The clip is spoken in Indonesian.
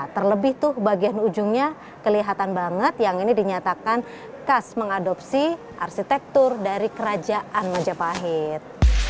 terlebih tuh bagian ujungnya kelihatan banget yang ini dinyatakan khas mengadopsi arsitektur dari kerajaan majapahit